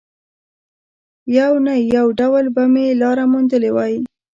يو نه يو ډول به مې لاره موندلې وای.